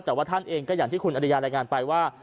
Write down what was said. แต่ว่าท่านเองก็อย่างที่คุณอริยารายงานไปว่า